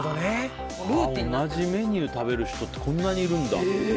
同じメニュー食べる人こんなにいるんだ。